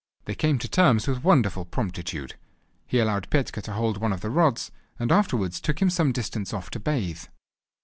They came to terms with wonderful promptitude; he allowed Petka to hold one of the rods, and afterwards took him some distance off to bathe.